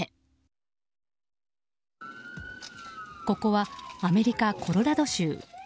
ここはアメリカ・コロラド州。